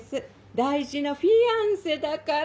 大事なフィアンセだから」。